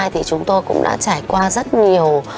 thì chúng tôi cũng đã trải qua rất nhiều